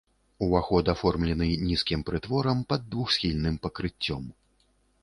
Уваход аформлены нізкім прытворам пад двухсхільным пакрыццём.